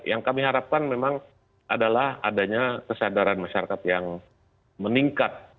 yang kami harapkan memang adalah adanya kesadaran masyarakat yang meningkat